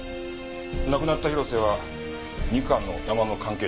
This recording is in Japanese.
亡くなった広瀬は二課のヤマの関係者か？